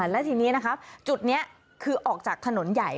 และทีนี้นะครับจุดนี้คือออกจากถนนใหญ่